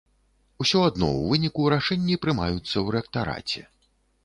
Усё адно ў выніку рашэнні прымаюцца ў рэктараце.